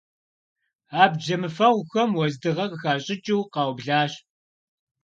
Абдж зэмыфэгъухэм уэздыгъэ къыхащӀыкӀыу къаублащ.